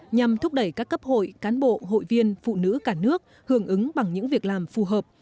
nhằm thúc đẩy các cấp hội cán bộ hội viên phụ nữ cả nước hưởng ứng bằng những việc làm phù hợp